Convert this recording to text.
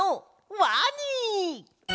ワニ！